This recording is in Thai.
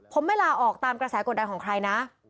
ผมไม่ลาออกตามกระแสกดดันของใครนะ